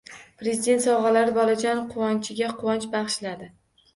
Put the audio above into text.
Prezident sovg‘alari bolajonlar quvonchiga quvonch bag‘ishladi